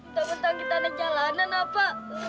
taupun taupun kita ada jalanan apa